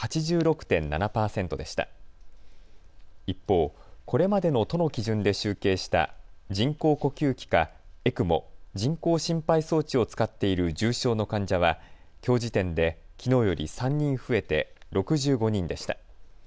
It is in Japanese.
一方、これまでの都の基準で集計した人工呼吸器かＥＣＭＯ・人工心肺装置を使っている重症の患者はきょう時点で、きのうより３人増えて、６５人でした。